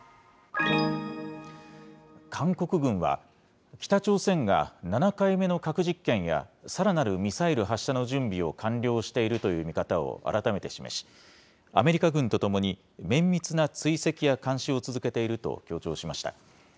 韓国軍は、北朝鮮が７回目の核実験や、さらなるミサイル発射の準備を完了しているという見方を改めて示し、アメリカ軍とともに、綿密な追跡や監視を続けていると強調しました。